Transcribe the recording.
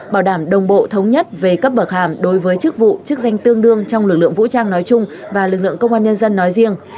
bảo đảm đồng bộ thống nhất về cấp bậc hàm đối với chức vụ chức danh tương đương trong lực lượng vũ trang nói chung và lực lượng công an nhân dân nói riêng